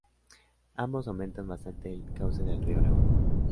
Ambos aumentan bastante el cauce del río Aragón.